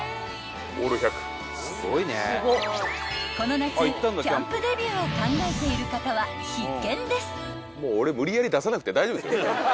［この夏キャンプデビューを考えている方は必見です］